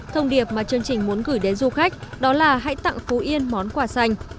thông điệp mà chương trình muốn gửi đến du khách đó là hãy tặng phú yên món quà xanh